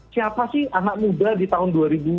siapa sih anak muda di tahun dua ribu dua puluh